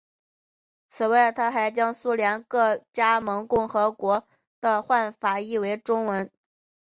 此外他还将苏联各加盟共和国的宪法译为中文。